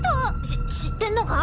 し知ってんのか？